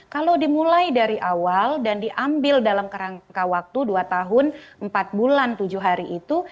kalau dimulai dari awal dan diambil dalam kerangka waktu dua tahun empat bulan tujuh hari itu